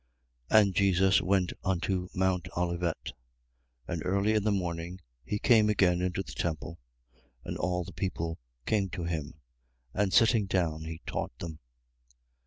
8:1. And Jesus went unto mount Olivet. 8:2. And early in the morning he came again into the temple: and all the people came to him. And sitting down he taught them.